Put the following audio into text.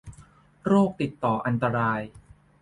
โรคติดต่ออันตราย